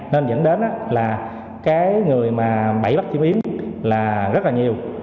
nên dẫn đến là cái người mà bẫy bắt chim yến là rất là nhiều